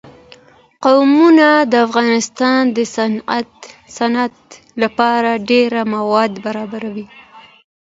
قومونه د افغانستان د صنعت لپاره ډېر مواد برابروي.